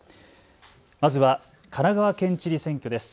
まずは神奈川県知事選挙です。